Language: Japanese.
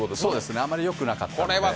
あまりよくなかったので。